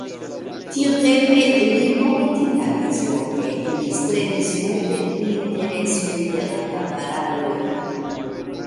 Tiutempe li politikadis loke, li strebis multe pri interesoj de la kamparanoj.